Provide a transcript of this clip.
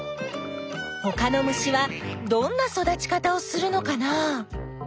ほかの虫はどんな育ち方をするのかな？